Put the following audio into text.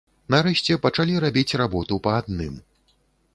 Нарэшце пачалі рабіць работу па адным.